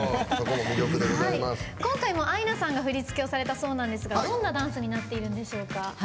今回もアイナさんが振り付けをされたそうなんですがどんなダンスになっているんでしょうか。